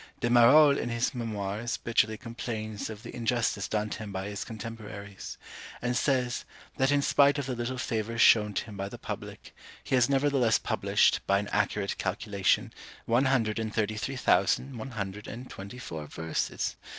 De Marolles in his Memoirs bitterly complains of the injustice done to him by his contemporaries; and says, that in spite of the little favour shown to him by the public, he has nevertheless published, by an accurate calculation, one hundred and thirty three thousand one hundred and twenty four verses!